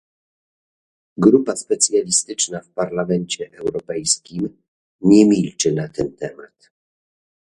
Grupa Socjalistyczna w Parlamencie Europejskim nie milczy na ten temat